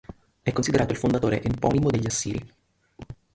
E' considerato il fondatore eponimo degli Assiri.